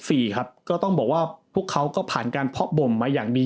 ฟรีครับก็ต้องบอกว่าพวกเขาก็ผ่านการเพาะบ่มมาอย่างดี